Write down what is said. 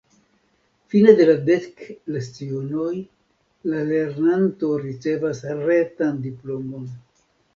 Fine de la dek lecionoj, la lernanto ricevas retan diplomon.